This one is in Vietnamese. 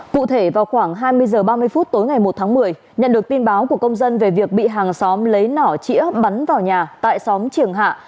cụ thể vào khoảng hai mươi h ba mươi phút tối ngày một tháng một mươi nhận được tin báo của công dân về việc bị hàng xóm lấy nỏ chĩa bắn vào nhà tại xóm triềng hạ